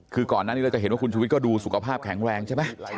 คือก่อนหน้านี้เราจะเห็นว่าคุณชุวิตก็ดูสุขภาพแข็งแรงใช่ไหม